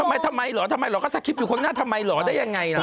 ทำไมทำไมเหรอทำไมเหรอก็สคริปต์อยู่ข้างหน้าทำไมเหรอได้ยังไงล่ะ